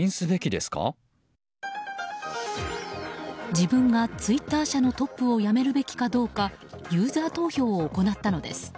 自分がツイッター社のトップを辞めるべきかどうかユーザー投票を行ったのです。